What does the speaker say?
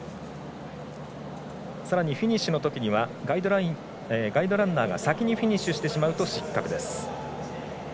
さらにフィニッシュのときにはガイドランナーが先にフィニッシュしてしまうと失格です。